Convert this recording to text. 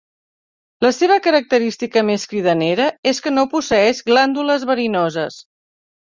La seva característica més cridanera és que no posseeix glàndules verinoses.